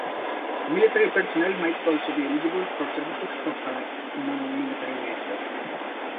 Military personnel might also be eligible for services of a non-military nature.